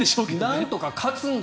なんとか勝つんだ！